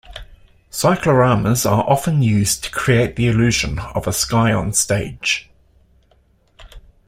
Cycloramas are often used to create the illusion of a sky onstage.